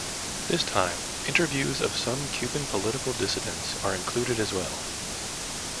This time, interviews of some Cuban political dissidents are included as well.